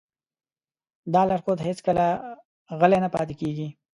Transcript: دا لارښود هېڅکله غلی نه پاتې کېږي.